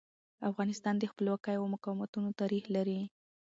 افغانستان د خپلواکیو او مقاومتونو تاریخ لري.